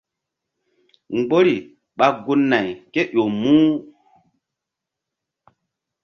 Mgbori ɓa gun- nay kéƴo muh.